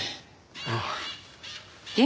ああ。